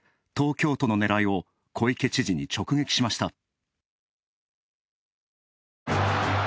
東京都のねらいを小池知事に直撃しました。